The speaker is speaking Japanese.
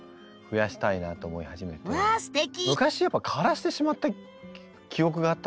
昔やっぱ枯らしてしまった記憶があったので。